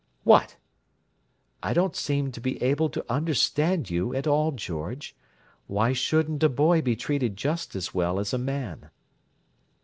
"What?" "I don't seem to be able to understand you at all, George. Why shouldn't a boy be treated just as well as a man?"